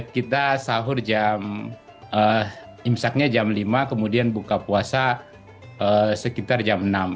kita sahur jam imsaknya jam lima kemudian buka puasa sekitar jam enam